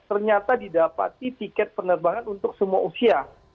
ternyata didapati tiket penerbangan untuk semua usia